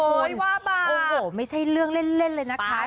ว่าเบาโอ้โหไม่ใช่เรื่องเล่นเลยนะคะ